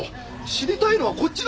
知りたいのはこっちなんだよ。